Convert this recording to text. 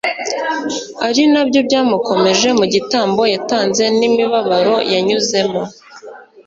ari na byo byamukomeje mu gitambo yatanze nimibabaro yanyuzemo